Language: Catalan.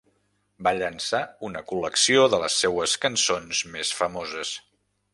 Va llançar una col·lecció de les seues cançons més famoses.